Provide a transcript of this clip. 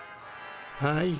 はい。